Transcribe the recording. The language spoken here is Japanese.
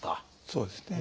そうですね。